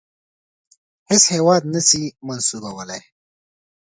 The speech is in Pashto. هیڅ هیواد نه سي منسوبولای.